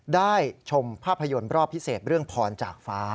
ชมภาพยนตร์รอบพิเศษเรื่องพรจากฟ้า